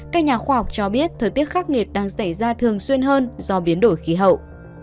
các nhà khoa học cho biết thời tiết khắc nghiệt đang xảy ra thường xuyên hơn do biến đổi khí hậu